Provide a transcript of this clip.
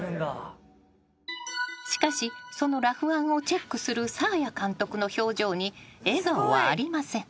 ［しかしそのラフ案をチェックするサーヤ監督の表情に笑顔はありません］